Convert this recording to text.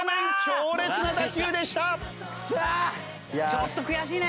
ちょっと悔しいね。